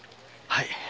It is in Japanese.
はい。